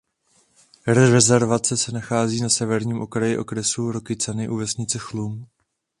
Rezervace se nachází na severním okraji okresu Rokycany u vesnice Chlum.